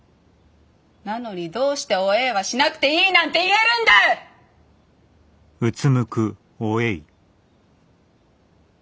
なのにどうしておえいはしなくていいなんて言えるんだい！？